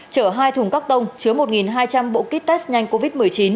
chở hai thùng các tông chứa một hai trăm linh bộ kit test nhanh covid một mươi chín